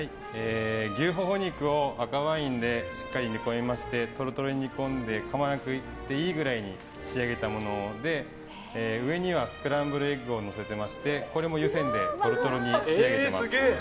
牛ほほ肉を赤ワインでしっかり煮込みましてトロトロに煮込んでかまなくていいぐらいに仕上げたもので上にはスクランブルエッグをのせていましてこれも湯煎でトロトロに仕上げています。